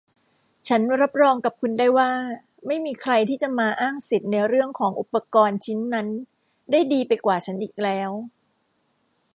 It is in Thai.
ฉันรับรองกับคุณได้ว่า ไม่มีใครที่จะมาอ้างสิทธิ์ในเรื่องของอุปกรณ์ชิ้นนั้นได้ดีไปกว่าฉันอีกแล้ว